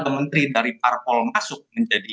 kalau ada menteri dari parpol masuk menjelaskan